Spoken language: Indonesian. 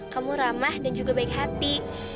kamu ramah dan juga baik hati